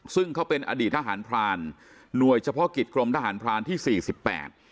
ซึ่งเขาเป็นอดีตทหารพรานหน่วยเฉพาะกิจกรมทหารพรานที่สี่สิบแปด